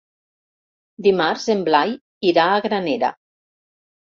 Dimarts en Blai irà a Granera.